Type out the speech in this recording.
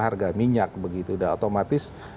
harga minyak begitu udah otomatis